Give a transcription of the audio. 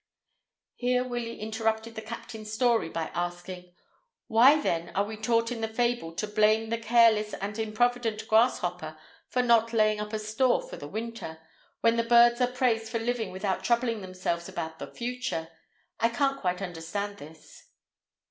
"' Here Willie interrupted the captain's story by asking, "Why, then, are we taught in the fable to blame the careless and improvident grasshopper for not laying up a store for the winter, when the birds are praised for living without troubling themselves about the future? I can't quite understand this."